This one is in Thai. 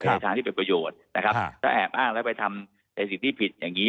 ในทางที่เป็นประโยชน์นะครับถ้าแอบอ้างแล้วไปทำในสิ่งที่ผิดอย่างนี้